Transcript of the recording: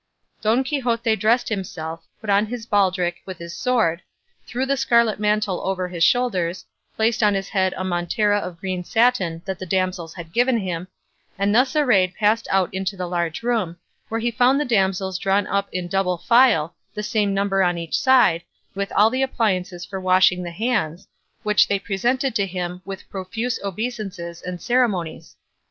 Don Quixote dressed himself, put on his baldric with his sword, threw the scarlet mantle over his shoulders, placed on his head a montera of green satin that the damsels had given him, and thus arrayed passed out into the large room, where he found the damsels drawn up in double file, the same number on each side, all with the appliances for washing the hands, which they presented to him with profuse obeisances and ceremonies.